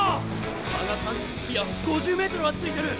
差が３０いや５０ｍはついてる！